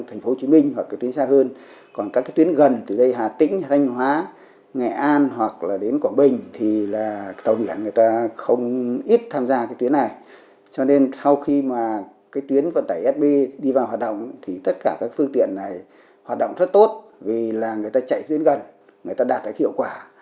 tất cả các phương tiện này hoạt động rất tốt vì là người ta chạy tuyến gần người ta đạt được hiệu quả